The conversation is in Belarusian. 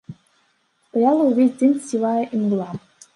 Стаяла ўвесь дзень сівая імгла.